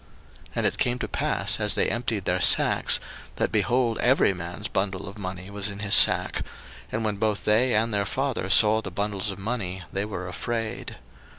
01:042:035 And it came to pass as they emptied their sacks, that, behold, every man's bundle of money was in his sack: and when both they and their father saw the bundles of money, they were afraid.